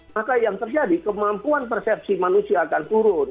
maka yang terjadi kemampuan persepsi manusia akan turun